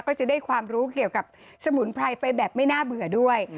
ก็จะได้ความรู้เกี่ยวกับสมุนไพรไปแบบไม่น่าเบื่อด้วย